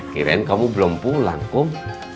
kirain kamu belum pulang kok